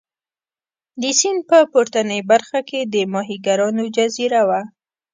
د سیند په پورتنۍ برخه کې د ماهیګیرانو جزیره وه.